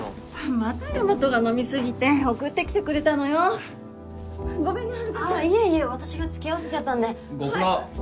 また大和が飲みすぎて送って来てくれたのよごめんね遥ちゃんああいえいえ私が付き合わせちゃったんでご苦労